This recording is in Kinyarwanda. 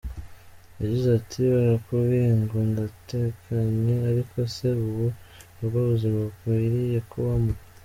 Yagize ati “Barakubwiye ngo ndatekanye, ariko se ubu nibwo buzima kwiriye kubamo?”.